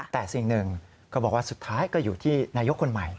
แต่สิ่งหนึ่งก็บอกว่าสุดท้ายก็อยู่ที่นายกคนใหม่